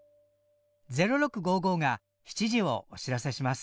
「０６５５」が７時をお知らせします。